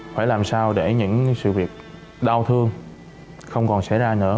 phải làm sao để những sự việc đau thương không còn xảy ra nữa